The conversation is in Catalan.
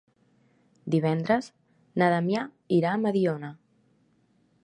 Divendres na Damià irà a Mediona.